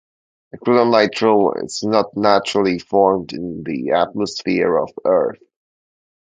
Acrylonitrile is not naturally formed in the atmosphere of Earth.